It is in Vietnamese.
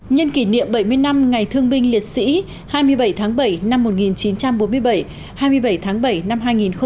nhân kỷ niệm bảy mươi năm ngày thương binh liệt sĩ hai mươi bảy tháng bảy năm một nghìn chín trăm bốn mươi bảy hai mươi bảy tháng bảy năm hai nghìn một mươi chín